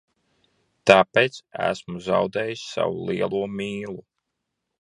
Tāpēc esmu zaudējis savu lielo mīlu.